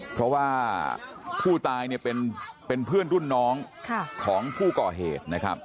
เพราะว่าผู้ตายเนี่ยเป็นเพื่อนรุ่นน้องของผู้ก่อเหตุนะครับ